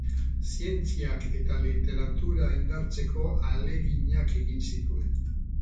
Zientziak eta literatura indartzeko ahaleginak egin zituen.